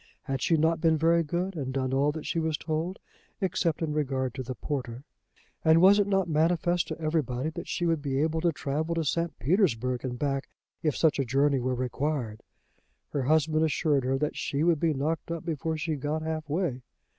Had she not been very good, and done all that she was told, except in regard to the porter? And was it not manifest to everybody that she would be able to travel to St. Petersburg and back if such a journey were required? Her husband assured her that she would be knocked up before she got half way.